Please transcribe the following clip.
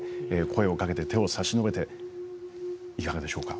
声をかけて手を差し伸べてはいかがでしょうか。